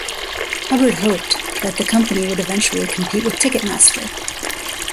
Hubbard hoped that the company would eventually compete with Ticketmaster.